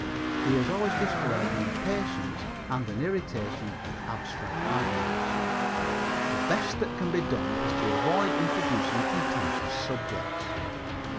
He has always displayed an impatience and an irritation at abstract arguments. The best that can be done is to avoid introducing contentious subjects.